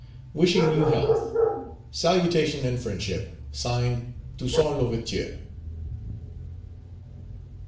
"Wishing you health, "Salutation and Friendship, (Signed) "TOUSSAINT L'OUVERTURE.